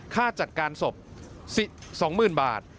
ค่าจัดการศพ๒๐๐๐บาท